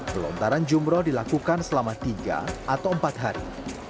pelontaran jumroh dilakukan selama tiga atau empat hari